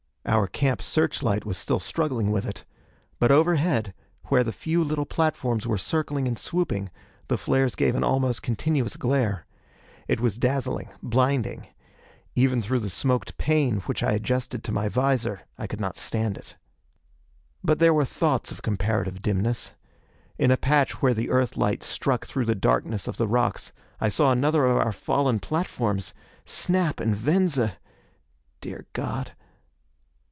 Our camp search light was still struggling with it. But overhead, where the few little platforms were circling and swooping, the flares gave an almost continuous glare. It was dazzling, blinding. Even through the smoked pane which I adjusted to my visor I could not stand it. But there were thoughts of comparative dimness. In a patch where the Earthlight struck through the darkness of the rocks, I saw another of our fallen platforms! Snap and Venza! Dear God....